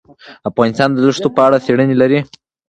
افغانستان د دښتو په اړه څېړنې لري.